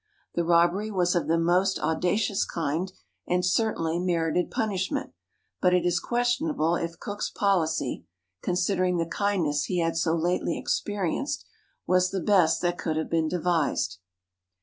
The robbery was of the most audacious kind, and certainly merited punishment, but it is questionable if Cook's poHcy (considering the kindness he had so lately experienced) was the best that could have been devised.